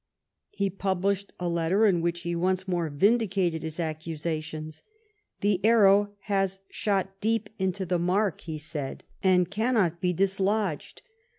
He published a letter in which he once more vindicated his accusations. " The arrow has shot deep into the mark," he said. THE NEAPOLITAN LETTERS 139 and cannot be dislodged.